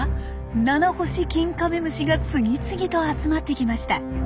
ナナホシキンカメムシが次々と集まってきました。